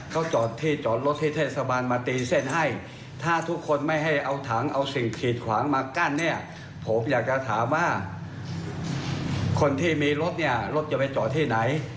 คนที่มีรถเนี่ยรถจะไปจอดที่ไหน